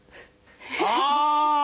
ああ！